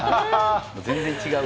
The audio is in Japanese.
全然違う。